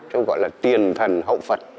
cho gọi là tiền thần hậu phật